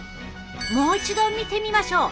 もう一度見てみましょう。